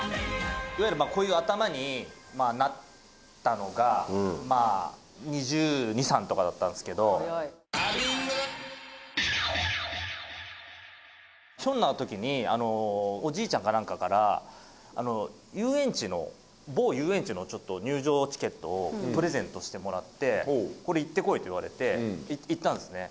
いわゆるまあこういう頭になったのが２２２３とかだったんですけど早いひょんなときにおじいちゃんかなんかから某遊園地の入場チケットをプレゼントしてもらって「これ行ってこい」って言われて行ったんですね